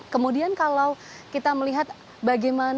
kemudian kalau kita melihat bagaimana